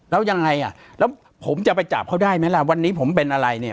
แล้วยังไงอ่ะแล้วผมจะไปจับเขาได้ไหมล่ะวันนี้ผมเป็นอะไรเนี่ย